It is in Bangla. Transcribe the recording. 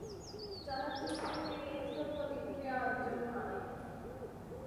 চলচ্চিত্রটি মিশ্র প্রতিক্রিয়া অর্জন করে।